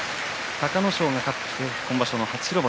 隆の勝、勝って今場所の初白星。